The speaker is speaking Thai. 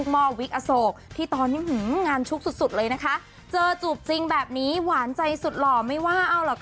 มีดูบ้างเขาก็ไม่ได้ว่าอะไรค่ะ